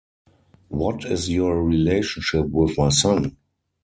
What is your relationship with my son?